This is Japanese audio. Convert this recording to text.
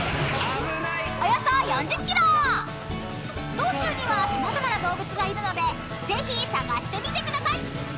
［道中には様々な動物がいるのでぜひ探してみてください］